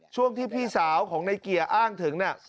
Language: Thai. ช่วงที่พี่สาวของในเกียร์อ้างถึงน่ะ